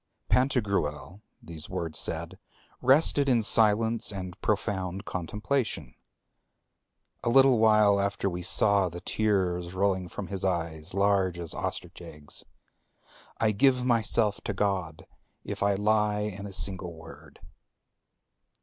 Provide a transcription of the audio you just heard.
—Pantagruel, these words said, rested in silence and profound contemplation. A little while after we saw the tears rolling from his eyes, large as ostrich eggs. I give myself to God if I lie in a single word."